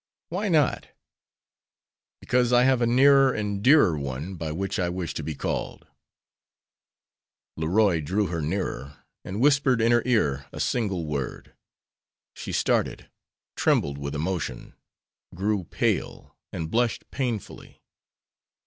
"Why not?" "Because I have a nearer and dearer one by which I wish to be called." Leroy drew her nearer, and whispered in her ear a single word. She started, trembled with emotion, grew pale, and blushed painfully.